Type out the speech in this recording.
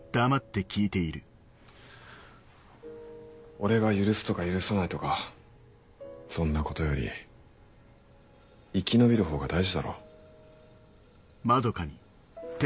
俺が許すとか許さないとかそんなことより生き延びる方が大事だろ。